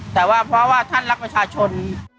แต่ว่าเพราะว่าท่านรักประชาชน